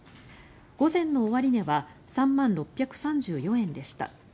午前の終値は３万６３４円でした。